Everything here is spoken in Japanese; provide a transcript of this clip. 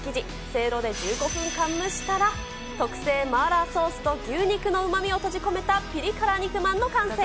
せいろで１５分間蒸したら、特製マーラーソースと牛肉のうまみを閉じ込めた、ピリ辛肉まんの完成。